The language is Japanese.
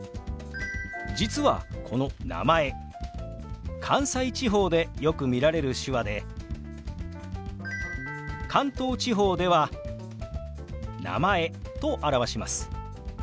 実はこの「名前」関西地方でよく見られる手話で関東地方では「名前」と表します。